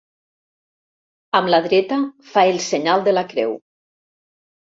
Amb la dreta fa el senyal de la creu.